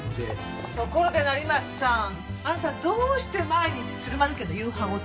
ところで成増さんあなたどうして毎日鶴丸家の夕飯を作りに来るの？